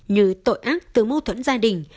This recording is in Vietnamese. như tội ác từ mâu thuẫn gia đình